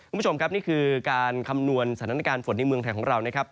คุณผู้ชมครับนี่คือการคำนวณสถานการณ์ฝนในเมืองไทยของเรานะครับ